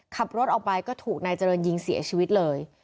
ขับรถออกไปก็ถูกนายเจริญยิงเสียชีวิตเลย